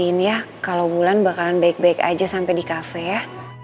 pastiin ya kalau ulan bakalan baik baik aja sampe di kafe ya